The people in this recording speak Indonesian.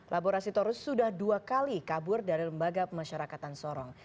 laborasi torus sudah dua kali kabur dari lembaga pemasyarakatan sorong